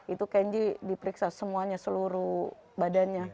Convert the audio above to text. itu kenji diperiksa semuanya seluruh badannya